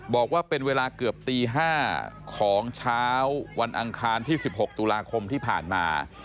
บอกว่าเป็นเวลาเกือบตี๕ของเช้าวันอังคารที่๑๖ตุลาคมที่ผ่านมา